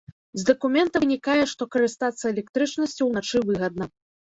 З дакумента вынікае, што карыстацца электрычнасцю ўначы выгадна.